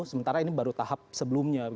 sementara ini baru tahap sebelumnya